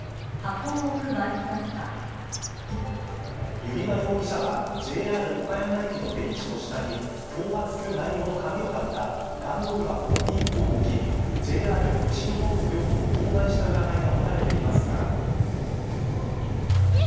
弓場容疑者はＪＲ岡山駅のベンチの下に脅迫する内容の紙を貼った段ボール１個を置きＪＲ西日本の業務を妨害した疑いが持たれていますが。